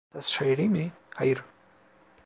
Saz şairi mi? Hayır!